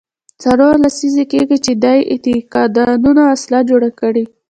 څلور لسیزې کېږي چې دې اعتقاداتو وسله جوړه کړې.